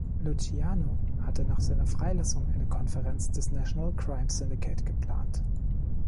Luciano hatte nach seiner Freilassung eine Konferenz des National Crime Syndicate geplant.